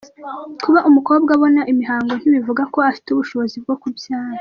Kuba umukobwa abona imihango ntibivuga ko afite ubushobozi bwo kubyara.